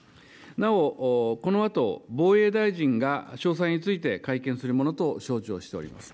なお、このあと防衛大臣が詳細について会見するものと承知をしております。